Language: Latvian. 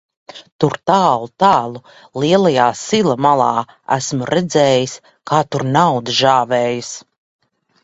Tur tālu, tālu lielajā sila malā, esmu redzējis, kā tur nauda žāvējas.